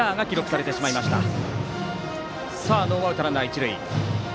さあ、ノーアウトランナー、一塁。